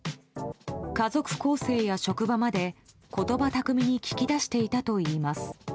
家族構成や職場まで言葉巧みに聞き出していたといいます。